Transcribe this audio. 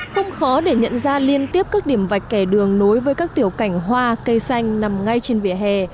không khó để nhận ra liên tiếp các điểm vạch kẻ đường nối với các tiểu cảnh hoa cây xanh nằm ngay trên vỉa hè